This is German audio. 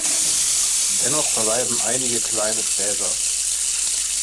Dennoch verleiben einige kleine Cäsars.